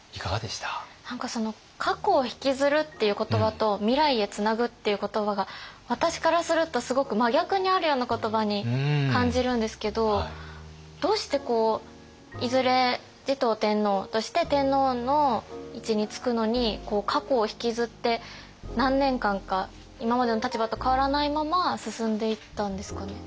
何か過去をひきずるっていう言葉と未来へつなぐっていう言葉が私からするとすごく真逆にあるような言葉に感じるんですけどどうしてこういずれ持統天皇として天皇の位置につくのに過去をひきずって何年間か今までの立場と変わらないまま進んでいったんですかね。